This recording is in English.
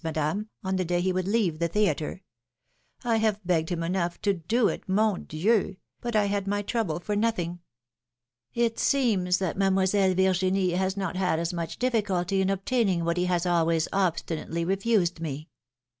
Madame, on the day he would leave the theatre. I have begged him enough to do it, mon Dieu! but I had my trouble for nothing. It seems that Mademoiselle Virginie has not had as much difficulty in obtaining what he has always obstinately refused me!"